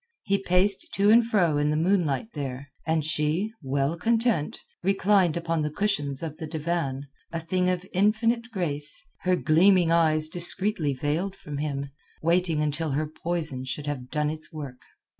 He paced to and fro in the moonlight there, and she, well content, reclined upon the cushions of the divan, a thing of infinite grace, her gleaming eyes discreetly veiled from him—waiting until her poison should have done its work.